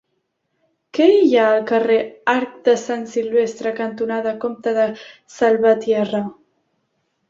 Què hi ha al carrer Arc de Sant Silvestre cantonada Comte de Salvatierra?